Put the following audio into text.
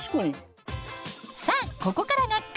さあここからがクイズ！